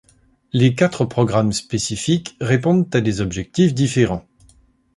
Les quatre programmes spécifiques répondent à des objectifs différents.